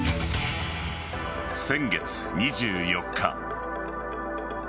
先月２４日。